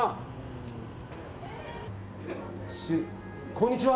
こんにちは！